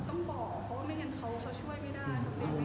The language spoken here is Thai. ต้องบอกเพราะว่าไม่งั้นเขาช่วยไม่ได้เขาเสียงไม่ได้